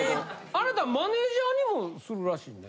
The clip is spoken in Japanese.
あなたマネージャーにもするらしいね。